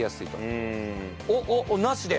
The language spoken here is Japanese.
おっおっなしで。